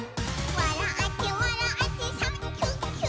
「わらってわらってサンキュキュ！」